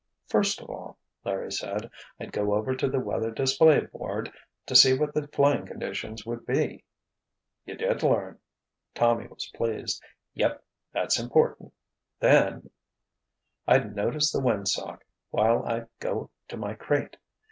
"First of all," Larry said, "I'd go over to the weather display board, to see what the flying conditions would be." "You did learn!" Tommy was pleased. "Yep! That's important. Then——" "I'd notice the windsock, while I'd go to my crate.